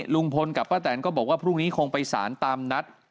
ลุงพลกับป้าแตนก็บอกว่าพรุ่งนี้คงไปสารตามนัด